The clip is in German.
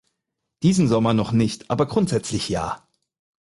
Diesen Sommer noch nicht, aber grundsätzlich ja.